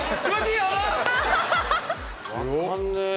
分かんねえ。